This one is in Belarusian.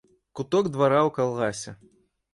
Куток двара ў калгасе.